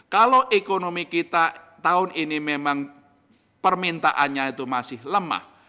kalau ekonomi kita tahun ini memang permintaannya itu masih lemah